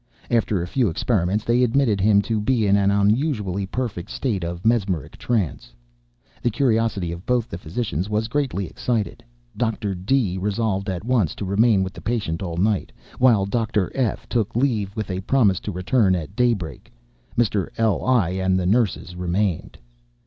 After a few experiments, they admitted him to be an unusually perfect state of mesmeric trance. The curiosity of both the physicians was greatly excited. Dr. D—— resolved at once to remain with the patient all night, while Dr. F—— took leave with a promise to return at daybreak. Mr. L—l and the nurses remained.